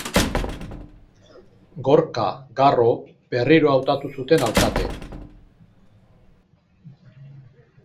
Gorka Garro berriro hautatu zuten alkate.